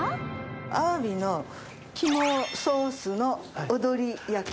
アワビの肝ソースの踊り焼きを。